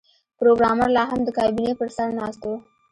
پروګرامر لاهم د کابینې پر سر ناست و